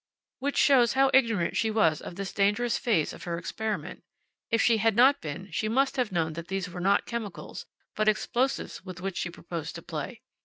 Which shows how ignorant she was of this dangerous phase of her experiment. If she had not been, she must have known that these were not chemicals, but explosives with which she proposed to play.